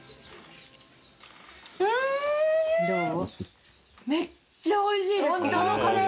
どう？